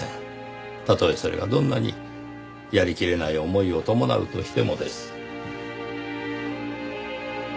たとえそれがどんなにやりきれない思いを伴うとしてもです。